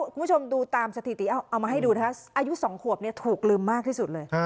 คุณผู้ชมดูตามสถิติเอามาให้ดูนะคะอายุ๒ขวบถูกลืมมากที่สุดเลย